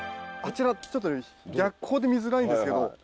ちらちょっと逆光で見づらいんですけど。